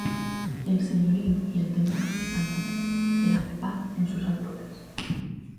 El señorío y el temor están con él: El hace paz en sus alturas.